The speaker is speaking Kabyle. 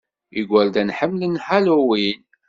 Igerdan ḥemmlen Halloween.